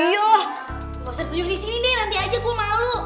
iya loh nggak usah ditujuk di sini deh nanti aja gue malu